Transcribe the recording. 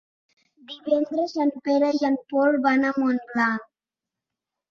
Divendres en Pere i en Pol van a Montblanc.